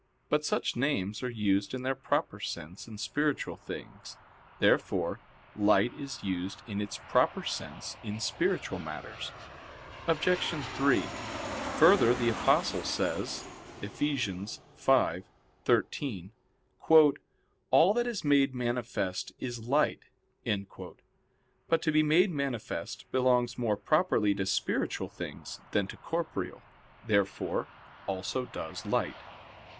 But such names are used in their proper sense in spiritual things. Therefore light is used in its proper sense in spiritual matters. Obj. 3: Further, the Apostle says (Eph. 5:13): "All that is made manifest is light." But to be made manifest belongs more properly to spiritual things than to corporeal. Therefore also does light.